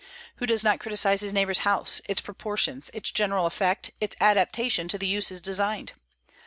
Who does not criticise his neighbor's house, its proportions, its general effect, its adaptation to the uses designed?